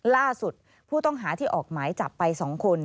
ล่าสุดผู้ต้องหาที่ออกหมายจับไป๒คน